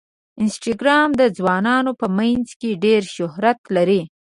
انسټاګرام د ځوانانو په منځ کې ډېر شهرت لري.